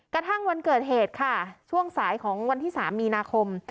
กระทั่งวันเกิดเหตุค่ะช่วงสายของวันที่๓มีนาคม